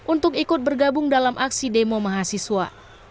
untuk ikut bergabung dalam aksi demo mahasiswa